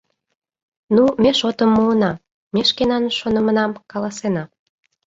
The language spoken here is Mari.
Ну, ме шотым муына, ме шкенан шонымынам каласена...